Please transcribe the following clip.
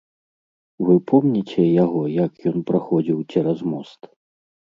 Вы помніце яго, як ён праходзіў цераз мост?